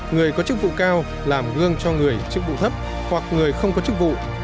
người có chức vụ cao làm gương cho người chức vụ thấp hoặc người không có chức vụ